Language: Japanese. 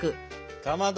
かまど！